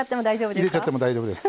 入れちゃっても大丈夫です。